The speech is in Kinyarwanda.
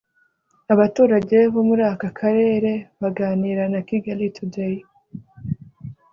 Abaturage bo muri aka Karere baganira na Kigali Today